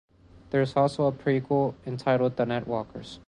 There's also a prequel, entitled the "'NetWalkers".